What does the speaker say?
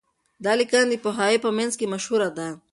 دا لیکنه د پوهانو په منځ کي مشهوره ده.